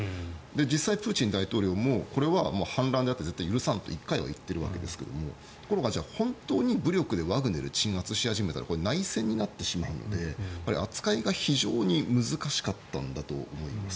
実際、プーチン大統領もこれは反乱であって絶対に許さんと１回は言っているわけですがところが、本当に武力でワグネルを鎮圧し始めたら内戦になってしまうので扱いが非常に難しかったんだと思います。